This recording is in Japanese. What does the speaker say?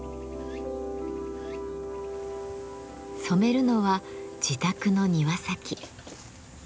染めるのは自宅の庭先。